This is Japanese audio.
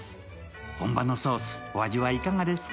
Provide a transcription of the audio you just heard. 本場のソース、お味はいかがですか？